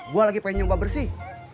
gue lagi pengen nyoba bersih